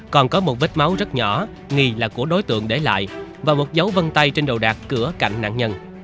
còn có một vết máu rất nhỏ nghi là của đối tượng để lại và một dấu vân tay trên đầu đạt cửa cạnh nạn nhân